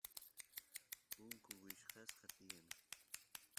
punku wichqasqa tiyan